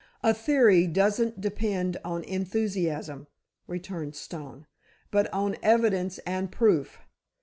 "A theory doesn't depend on enthusiasm," returned Stone, "but on evidence and proof.